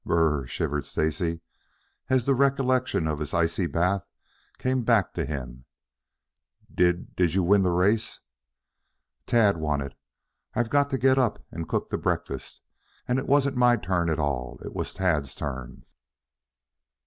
"B r r r!" shivered Stacy, as the recollection of his icy bath came back to him. "Di did you win the race?" "Tad won it. I've got to get up and cook the breakfast, and it wasn't my turn at all. It was Tad's turn."